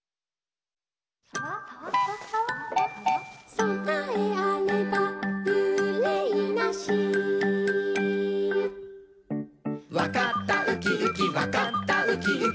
「そなえあればうれいなし」「わかったウキウキわかったウキウキ」